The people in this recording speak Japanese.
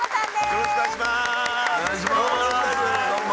よろしくお願いします。